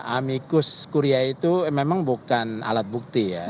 amikus kuria itu memang bukan alat bukti ya